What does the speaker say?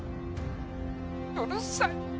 うるさい！